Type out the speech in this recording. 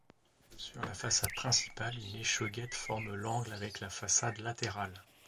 Sur la façade principale, une échauguette forme l'angle avec la façade latérale.